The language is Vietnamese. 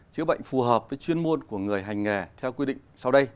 chữa bệnh phù hợp với chuyên môn của người hành nghề theo quy định sau đây